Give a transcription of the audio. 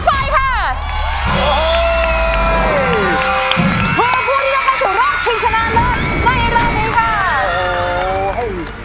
เพื่อผู้ที่จะเข้าสู่รอบชิงชนะเลิศในรอบนี้ค่ะ